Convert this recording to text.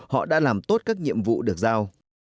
họ đã làm tốt các nhiệm vụ được giao